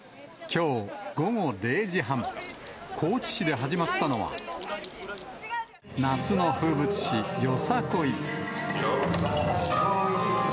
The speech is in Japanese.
きょう午後０時半、高知市で始まったのは、夏の風物詩、よさこい。